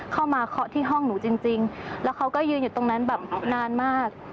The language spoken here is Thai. เคาะที่ห้องหนูจริงแล้วเขาก็ยืนอยู่ตรงนั้นแบบนานมาก